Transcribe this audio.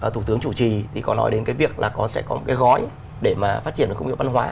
thủ tướng chủ trì thì có nói đến cái việc là sẽ có một cái gói để mà phát triển được công nghiệp văn hóa